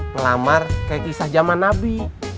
melamar kayak kisah zaman nabi